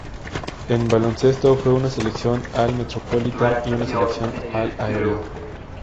En baloncesto, fue una selección All-Metropolitan y una selección All-Area.